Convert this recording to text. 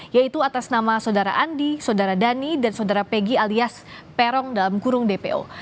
yaitu atas nama saudara andi saudara dhani dan saudara pegi alias peron dalam kurung dpo